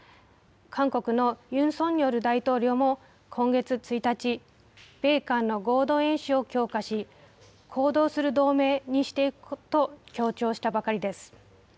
韓国のユン・ソンニョル大統領も今月１日、米韓の合同演習を強化し、行動する同盟にしていくと強調したばかりです。